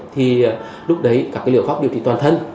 thì lúc đấy các cái liệu pháp điều trị toàn thân